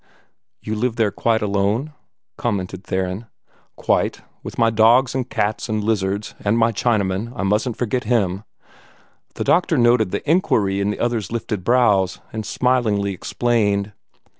"You live there quite alone," commented Theron. "Quite with my dogs and cats and lizards and my Chinaman. I mustn't forget him." The doctor noted the inquiry in the other's lifted brows, and smilingly explained.